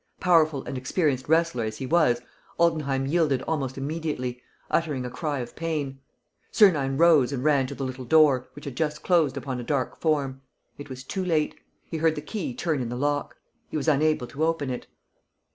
Powerful and experienced wrestler as he was, Altenheim yielded almost immediately, uttering a cry of pain. Sernine rose and ran to the little door, which had just closed upon a dark form. It was too late. He heard the key turn in the lock. He was unable to open it.